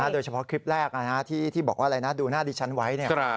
โดยเฉพาะคลิปแรกที่บอกว่าอะไรนะดูหน้าดิฉันไว้